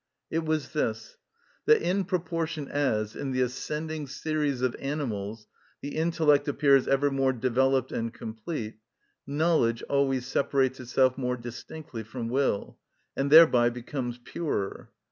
It was this, that in proportion as, in the ascending series of animals, the intellect appears ever more developed and complete, knowledge always separates itself more distinctly from will, and thereby becomes purer.